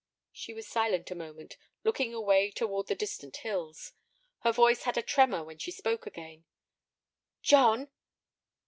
She was silent a moment, looking away toward the distant hills. Her voice had a tremor when she spoke again. "John!"